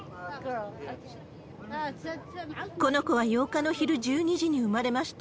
この子は８日の昼１２時に産まれました。